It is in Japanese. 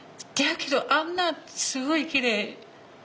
だけどあんなすごいきれい。